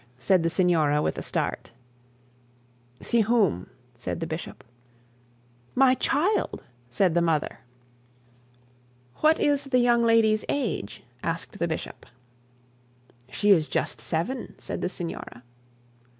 said the signora with a start. 'See whom?' said the bishop. 'My child,' said the mother. 'What is the young lady's age?' asked the bishop. 'She is just seven,' said the signora.